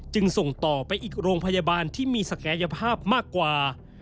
ส่งต่อไปอีกโรงพยาบาลที่มีศักยภาพมากกว่า